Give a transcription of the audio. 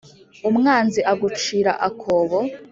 umwanzi agucira akobo